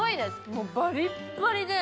もうバリッバリで。